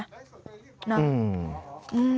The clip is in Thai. อืม